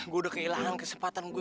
gue udah kehilangan kesempatan gue